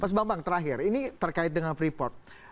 pas bang bang terakhir ini terkait dengan freeport